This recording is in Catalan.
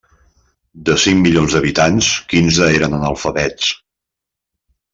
De cinc milions d'habitants, quinze eren analfabets.